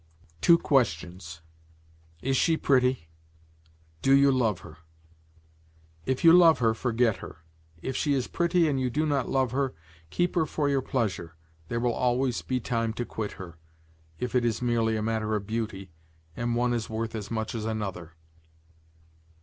"Two questions: Is she pretty? Do you love her? If you love her, forget her; if she is pretty and you do not love her, keep her for your pleasure; there will always be time to leave her, if it is merely a matter of beauty, and one is worth as much as another."